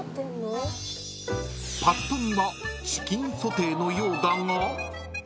［ぱっと見はチキンソテーのようだが］